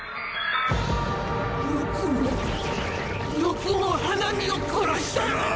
よくもよくも花御を殺したな！